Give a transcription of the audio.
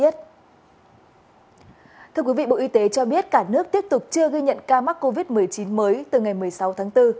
thưa quý vị bộ y tế cho biết cả nước tiếp tục chưa ghi nhận ca mắc covid một mươi chín mới từ ngày một mươi sáu tháng bốn